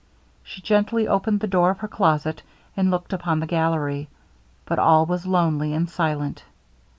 She gently opened the door of her closet, and looked upon the gallery; but all was lonely and silent.